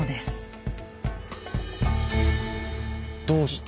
どうして？